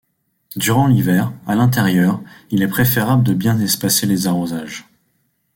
Durant l'hiver, à l'intérieur, il est préférable de bien espacer les arrosages.